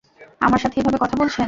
আমার সাথে এভাবে কথা বলছেন!